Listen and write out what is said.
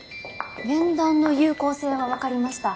面談の有効性は分かりました。